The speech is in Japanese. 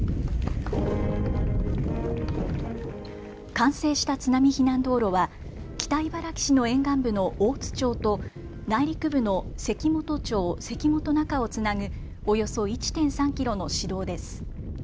完成した津波避難道路は北茨城市の沿岸部の大津町と内陸部の関本町関本中をつなぐおよそ１．３キロの市道です。